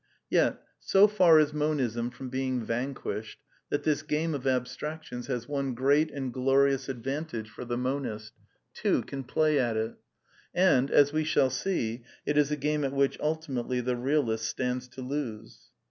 Yet, so far is Monism from being vanquished that this game of abstractions has one great and glorious advantage for the monist — two can play at it. And, as we shall see, it is a game at which ultimately the realist stands to lose.